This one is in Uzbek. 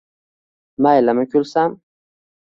maylimi kulsam?